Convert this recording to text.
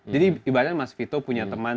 jadi ibaratnya mas vito punya teman